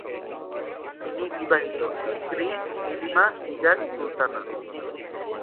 তিনি বিবাহিত, স্ত্রী নীলিমা নিগার সুলতানা।